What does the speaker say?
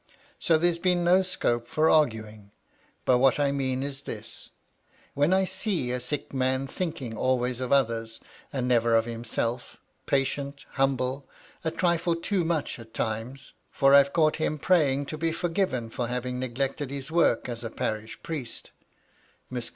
So there's been no scope for arguing 1 But what I mean is this :— When I see a sick man thinking always of others, and never of himself; patient, humble — a trifle too much at times, for I've caught him praying to be forgiven for having neglected his work as a parish priest," (Miss 254 MT LADT LUDLOW.